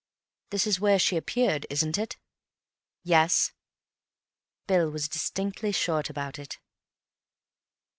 This is where she appeared, isn't it?" "Yes." Bill was distinctly short about it.